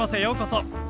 ようこそ。